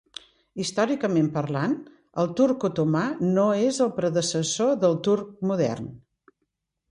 Històricament parlant, el turc otomà no és el predecessor del turc modern.